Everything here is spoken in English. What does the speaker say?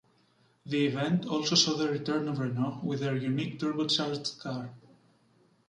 The event also saw the return of Renault with their unique turbocharged car.